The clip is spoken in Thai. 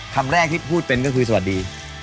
คำแรกที่พูดเป็นก็คือสวัสดี